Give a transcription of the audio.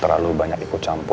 apakah bapak ada waktu